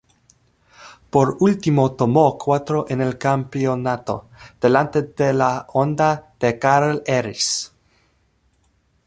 Por último tomó cuarto en el campeonato, delante de la Honda de Karl Harris.